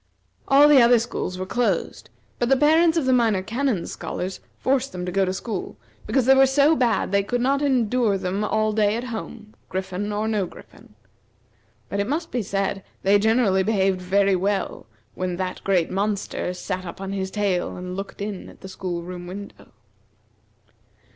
All the other schools were closed, but the parents of the Minor Canon's scholars forced them to go to school, because they were so bad they could not endure them all day at home, griffin or no griffin. But it must be said they generally behaved very well when that great monster sat up on his tail and looked in at the school room window.